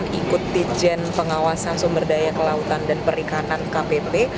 ikut dijen pengawasan sumber daya kelautan dan perikanan kpp